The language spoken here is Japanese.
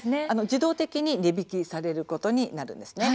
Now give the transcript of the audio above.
自動的に値引きされることになるんです。